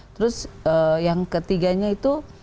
terus yang ketiganya itu